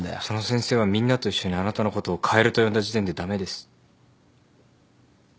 その先生はみんなと一緒にあなたのことをカエルと呼んだ時点で駄目です。